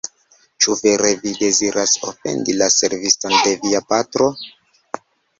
Ĉu vere vi deziras ofendi la serviston de via patro?